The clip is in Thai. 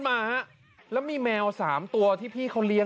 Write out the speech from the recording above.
มันมีแก๊สมีอะไรอยู่ด้วย